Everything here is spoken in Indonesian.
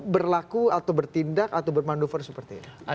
berlaku atau bertindak atau bermanuver seperti itu